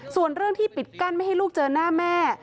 ส่วนเรื่องที่ปิดกั้นไม่ให้ลูกเจอหน้าแม่